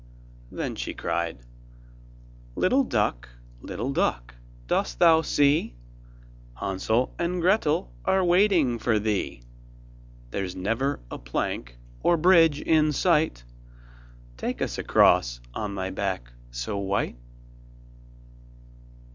Then she cried: 'Little duck, little duck, dost thou see, Hansel and Gretel are waiting for thee? There's never a plank, or bridge in sight, Take us across on thy back so white.